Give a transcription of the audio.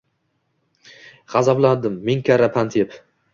Gʼazablandim ming karra pand yeb.